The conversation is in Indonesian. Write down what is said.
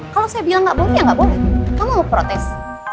kalau saya bilang gak boleh gak boleh kamu mau protes